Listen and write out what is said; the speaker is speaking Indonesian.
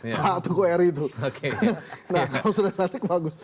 nah kalau sudah matic bagus